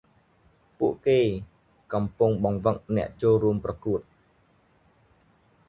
ពួកគេ កំពុងបង្វឹកអ្នកចូលរួមប្រគួត ។